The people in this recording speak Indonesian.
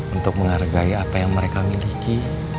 untuk menghargai apa yang mereka miliki